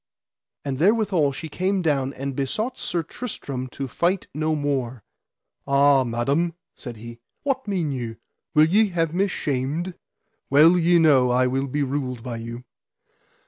And therewithal she came down and besought Sir Tristram to fight no more. Ah, madam, said he, what mean you, will ye have me shamed? Well ye know I will be ruled by you.